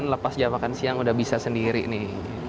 lepas jam makan siang udah bisa sendiri nih